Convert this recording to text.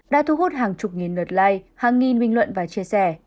đã thu hút hàng chục nghìn lượt like hàng nghìn binh luận và chia sẻ